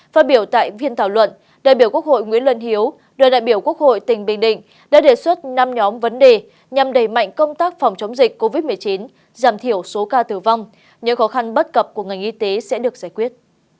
phát biểu tại viên thảo luận đại biểu quốc hội nguyễn luân hiếu đoàn đại biểu quốc hội tỉnh bình định đã đề xuất năm nhóm vấn đề nhằm đẩy mạnh công tác phòng chống dịch covid một mươi chín giảm thiểu số ca tử vong những khó khăn bất cập của ngành y tế sẽ được giải quyết